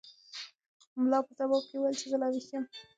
ملا په ځواب کې وویل چې زه لا ویښ یم.